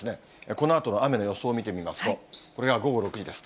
このあとの雨の予想を見てみますと、これが午後６時です。